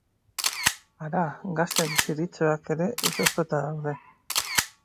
Hara!, gasen ziritxoak ere izoztuta daude...